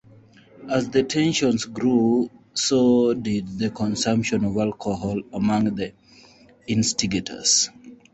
As the tensions grew, so did the consumption of alcohol among the instigators.